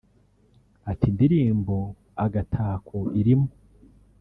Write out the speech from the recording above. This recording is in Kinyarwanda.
Ati “Indirimbo ‘Agatako’ irimo